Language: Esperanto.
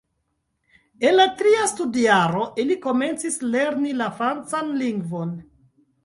En la tria studjaro ili komencis lerni la francan lingvon.